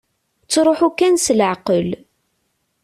Ttruḥu kan s leɛqel.